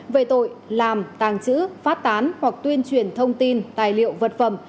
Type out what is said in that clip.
về tội làm tàng trữ phát tán hoặc tuyên truyền thông tin tài liệu vật phẩm